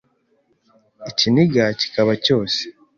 ikiniga kikaba cyose,